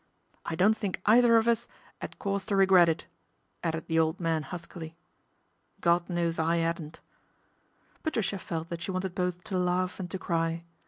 I don't think either of us 'ad cause to regret it," added the old man huskily. " God knows I 'adn't." Patricia felt that she wanted both to laugh and to cry.